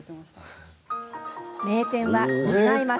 名店は違います。